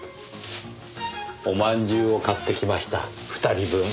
おまんじゅうを買ってきました２人分。